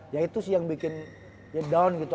ya itu sih yang bikin ya down gitu